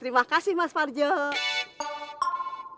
terima kasih mas parjok